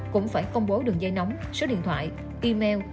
cũng phải công bố đường dây nóng số điện thoại email